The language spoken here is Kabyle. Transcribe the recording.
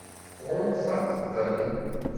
Tɣunfaḍ-ten?